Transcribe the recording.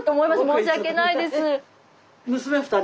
申し訳ないです。